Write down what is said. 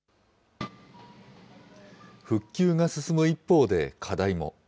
復旧が進む一方で、課題も。